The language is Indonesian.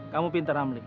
kamu pinter amli